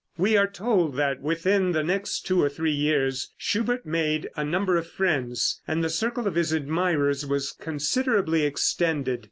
'" We are told that within the next two or three years Schubert made a number of friends, and the circle of his admirers was considerably extended.